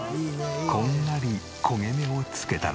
こんがり焦げ目を付けたら。